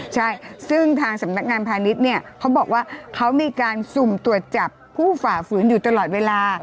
ใช่ซึ่งทางสำนักงานพาณิชย์เนี่ยเขาบอกว่าเขามีการสุ่มตรวจจับผู้ฝ่าฝืนอยู่ตลอดเวลา